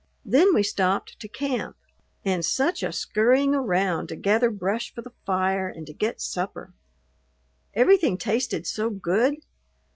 Then we stopped to camp, and such a scurrying around to gather brush for the fire and to get supper! Everything tasted so good!